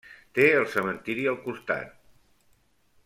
Té el cementiri al costat.